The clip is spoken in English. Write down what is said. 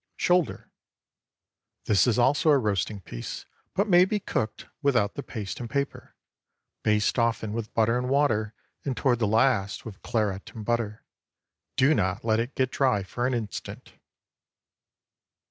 SHOULDER. This is also a roasting piece, but may be cooked without the paste and paper. Baste often with butter and water, and toward the last, with Claret and butter. Do not let it get dry for an instant.